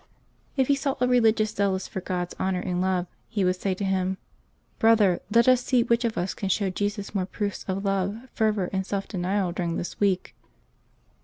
If he saw a religious zealous for God's honor and love, he would say to him :" Brother, let us see which of us can show Jesus more proofs of love, fervor, and self denial during this week.''